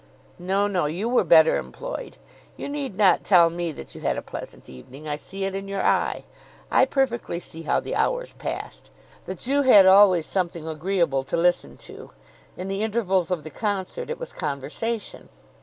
"No, no; you were better employed. You need not tell me that you had a pleasant evening. I see it in your eye. I perfectly see how the hours passed: that you had always something agreeable to listen to. In the intervals of the concert it was conversation."